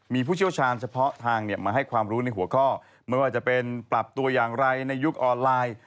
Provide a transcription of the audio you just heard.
มีผู้เชี่ยวชาญเฉพาะทางมาให้ความรู้ในหัวข้อไม่ว่าจะเป็นปรับตัวอย่างไรในยุคออนไลน์